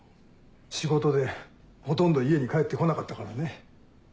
仕事でほとんど家に帰って来なかったからね。